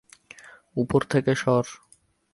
উপর থেকে সর!